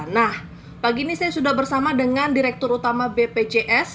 nah pagi ini saya sudah bersama dengan direktur utama bpjs